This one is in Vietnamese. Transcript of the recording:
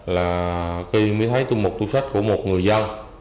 là khi mới thấy tôi mục tu sách của một người dân